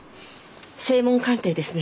声紋鑑定ですね。